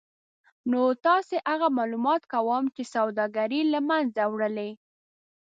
نو تاسې هغه مالومات کوم چې سوداګري له منځه وړلای